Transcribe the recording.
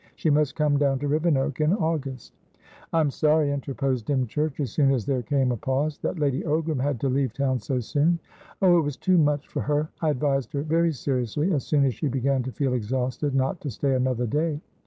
She must come down to Rivenoak in August." "I'm sorry," interposed Dymchurch, as soon as there came a pause, "that Lady Ogram had to leave town so soon." "Oh, it was too much for her. I advised her very seriously, as soon as she began to feel exhausted, not to stay another day.